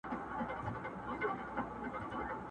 لا لکه غر پر لمن کاڼي لري!.